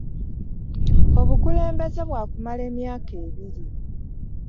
Obukulembeze bwa kumala emyaka ebiri.